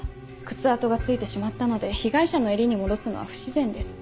靴跡がついてしまったので被害者の襟に戻すのは不自然です。